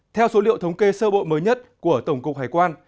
theo số liệu thống kê sơ bộ mới nhất của tổng cục hải quan